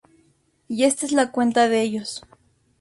Y esta es la cuenta de ellos.